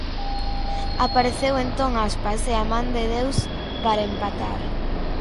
Apareceu entón Aspas e a 'man de deus' para empatar.